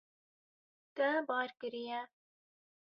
Te bar kiriye.